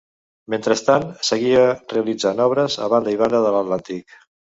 Mentrestant, seguia realitzant obres a banda i banda de l'Atlàntic.